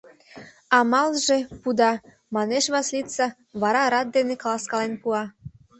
— Амалже... пуда, — манеш Васлица, вара рат дене каласкален пуа.